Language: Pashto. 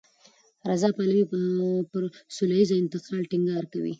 رضا پهلوي پر سولهییز انتقال ټینګار کوي.